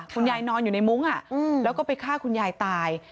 นอนอยู่ในมุ้งแล้วก็ไปฆ่าคุณยายตาย